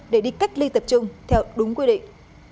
để đi cách ly tập trung theo đúng quy định